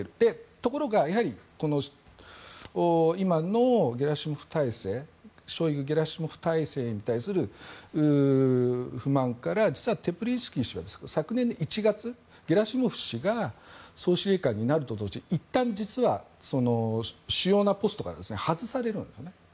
ところが、やはりこの今のゲラシモフ体制ショイグ・ゲラシモフ体制に対する不満から実はテプリンスキー氏は昨年１月ゲラシモフ氏が総司令官になると同時にいったん、実は主要なポストから外されるんですよね。